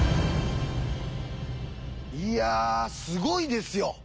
いやすごいですよ。